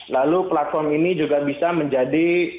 lalu platform ini juga bisa menjadi